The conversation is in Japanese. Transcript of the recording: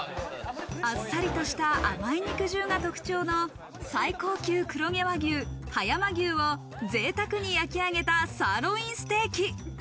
あっさりとした甘い肉汁が特徴の最高級黒毛和牛・葉山牛をぜいたくに焼き上げた、サーロインステーキ。